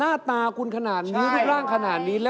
แนะนำตัวก่อนครับเชื่ออะไรครับค่ะสวัสดีค่ะ